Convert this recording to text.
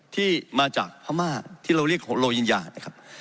ที่มาจากพม่าที่เราเรียกโลยิญญานะครับ